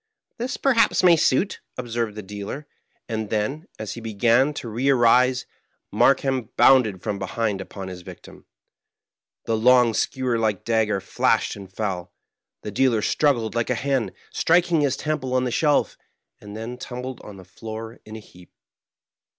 " This, perhaps, may suit," observed the dealer ; and then, as he began to re arise, Markheim bounded from Digitized by VjOOQIC UARKREm. 57 behind upon his victim. The long, skewer like dagger flashed and fell. The dealer struggled like a hen, strik ing his temple on the sheK, and then tumbled on the floor in a heap.